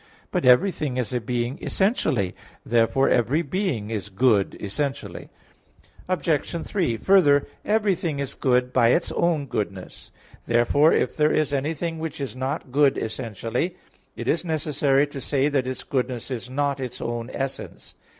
But everything is a being essentially; therefore every being is good essentially. Obj. 3: Further, everything is good by its own goodness. Therefore if there is anything which is not good essentially, it is necessary to say that its goodness is not its own essence.